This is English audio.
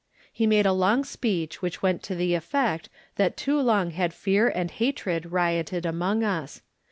He made a long speech which went to the effect that too long had fear and hatred rioted among us.